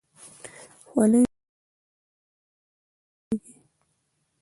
خولۍ د سنتو له مخې هم کارېږي.